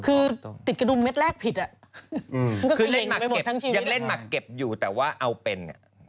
เอาพี่ดีก่อน